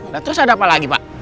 nah terus ada apa lagi pak